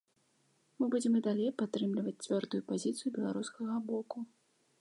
Мы будзем і далей падтрымліваць цвёрдую пазіцыю беларускага боку.